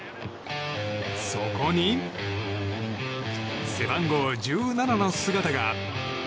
そこに、背番号１７の姿が。